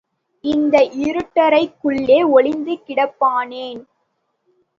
இந்த இருட்டறைக்குள்ளே ஒளிந்து கிடப்பானேன்?